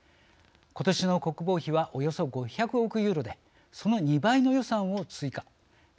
ことしの国防費はおよそ５００億ユーロでその２倍の予算を追加